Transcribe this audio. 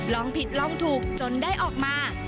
ลองผิดลองถูกจนได้ออกมา